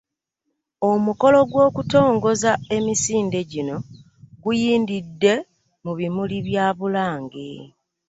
Omukolo gw'okutongoza emisinde gino guyindidde mu bimuli bya Bulange